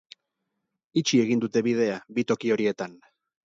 Itxi egin dute bidea bi toki horietan.